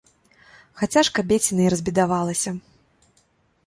Хаця ж кабеціна і разбедавалася.